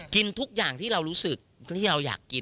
กินทุกอย่างที่เรารู้สึกที่เราอยากกิน